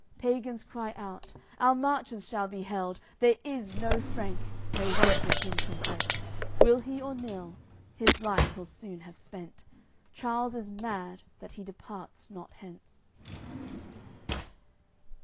Pagans cry out: "Our Marches shall be held; There is no Frank, may once with him contest, Will he or nill, his life he'll soon have spent. Charles is mad, that he departs not hence."